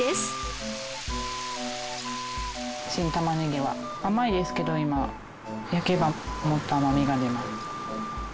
新玉ねぎは甘いですけど今焼けばもっと甘みが出ます。